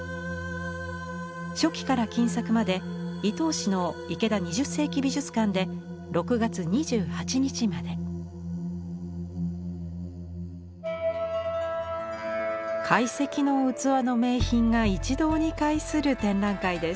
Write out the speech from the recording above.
初期から近作まで伊東市の池田２０世紀美術館で懐石の器の名品が一堂に会する展覧会です。